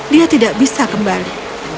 dia tidak bisa kembali